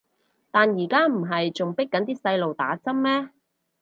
但而家唔係仲迫緊啲細路打針咩